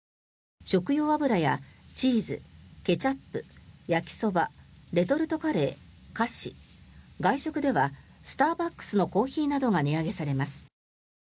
食用油やチーズ、ケチャップ焼きそば、レトルトカレー、菓子外食ではスターバックスのコーヒーなどが値上げされます。